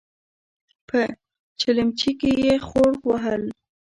په چلمچي کې يې خوړ وهل.